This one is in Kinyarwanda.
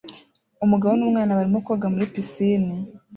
Umugabo n'umwana barimo koga muri pisine